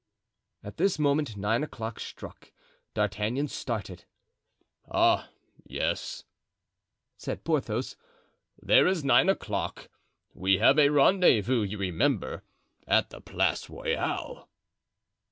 At this moment nine o'clock struck. D'Artagnan started. "Ah, yes," said Porthos, "there is nine o'clock. We have a rendezvous, you remember, at the Place Royale."